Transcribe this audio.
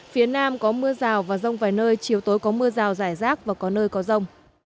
phía nam có mưa rào và rông vài nơi chiều tối có mưa rào rải rác và có nơi có rông